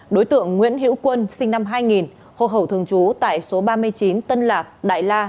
đối tượng nguyễn hiễu quân sinh năm hai nghìn hộ khẩu thường trú tại số ba mươi chín tân lạc đại la